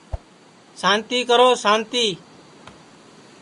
سانتی کرو سانتی